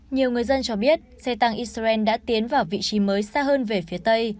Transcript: nhiều người dân cho biết xe tăng israel đã tiến vào vị trí mới xa hơn về phía tây